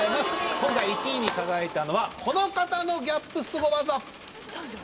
今回１位に輝いたのはこの方のギャップすご技！